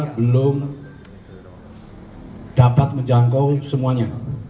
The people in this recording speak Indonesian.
belum dapat menjangkau semuanya